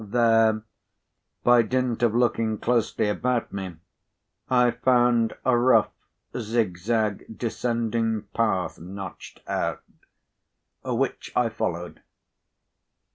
There, by dint of looking closely about me, I found a rough zig zag descending path notched out: which I followed.